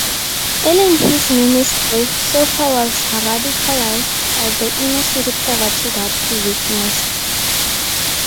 Early in his ministry, Soper was radicalised by the inner-city poverty that he witnessed.